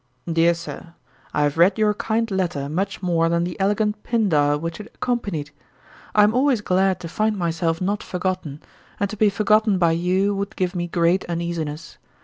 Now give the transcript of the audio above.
'DEAR SIR, 'I have read your kind letter much more than the elegant Pindar which it accompanied. I am always glad to find myself not forgotten; and to be forgotten by you would give me great uneasiness.